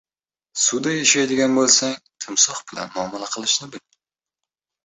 Suvda yashaydigan boʻlsang, timsoh bilan muomala qilishni bil.